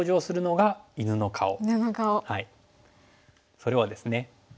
それはですね